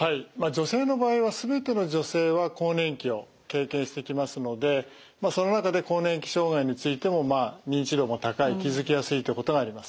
女性の場合は全ての女性は更年期を経験してきますのでその中で更年期障害についても認知度も高い気付きやすいということがあります。